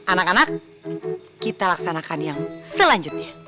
anak anak kita laksanakan yang selanjutnya